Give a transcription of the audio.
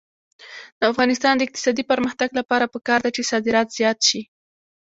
د افغانستان د اقتصادي پرمختګ لپاره پکار ده چې صادرات زیات شي.